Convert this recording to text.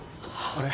あれ？